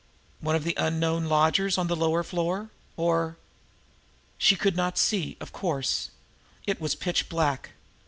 One of the unknown lodgers on the lower floor, or ? She could not see, of course. It was pitch black.